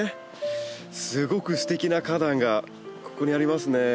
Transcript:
すごくすてきな花壇がここにありますね。